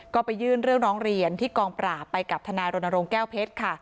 ก็ไปยื่นเรื่องร้องเรียนที่กองปราบไปกับทนายรณรงค์แก้วเพชรค่ะ